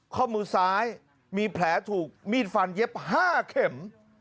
ข้อมือซ้ายมีแผลถูกมีดฟันเย็บ๕เข็ม